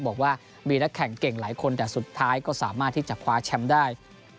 บอกว่ามีนักแข่งเก่งหลายคนแต่สุดท้ายก็สามารถที่จะคว้าแชมป์ได้